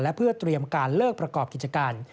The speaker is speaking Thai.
เพื่อเตรียมการเลิกประกอบกิจการ